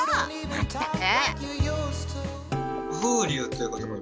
まったく。